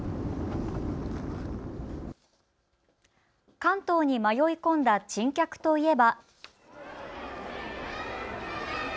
関東に迷い込んだ珍客と言えば。